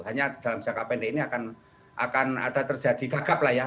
hanya dalam jangka pendek ini akan ada terjadi gagap lah ya